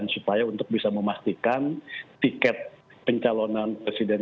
supaya untuk bisa memastikan tiket pencalonan presiden